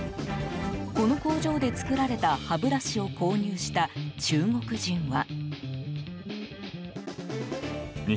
この工場で作られた歯ブラシを購入した中国人は。